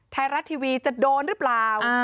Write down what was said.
ไทยรัฐทีวีจะโดนหรือเปล่า